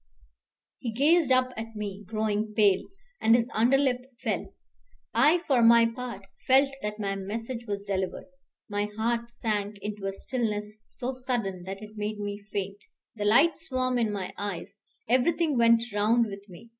He gazed up at me, growing pale, and his underlip fell. I, for my part, felt that my message was delivered. My heart sank into a stillness so sudden that it made me faint. The light swam in my eyes; everything went round with me.